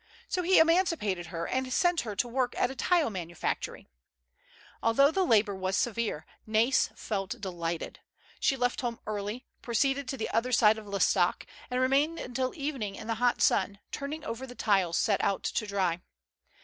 So he emancipated her, and sent her to work at a tile manu factory. Although the labor was severe, Nais felt delighted. She left home early, proceeded to the other side of L'Estaque, and remained until evening in the hot sun, turning over the tiles set out to dry.